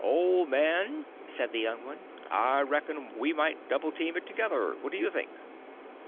"Old man," said the young one, "I reckon we might double team it together; what do you think?"